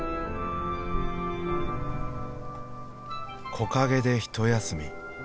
木陰で一休み。